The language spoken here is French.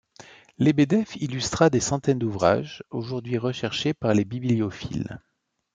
Lébédeff illustra des centaines d'ouvrages, aujourd'hui recherchés par les bibliophiles.